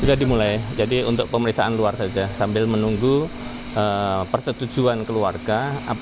sudah dimulai jadi untuk pemeriksaan luar saja sambil menunggu persetujuan keluarga